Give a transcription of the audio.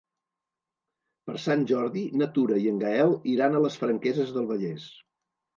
Per Sant Jordi na Tura i en Gaël iran a les Franqueses del Vallès.